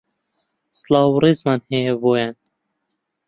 سڵاو و رێزمان هەیە بۆیان